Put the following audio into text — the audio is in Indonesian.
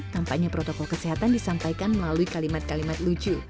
tampaknya protokol kesehatan disampaikan melalui kalimat kalimat lucu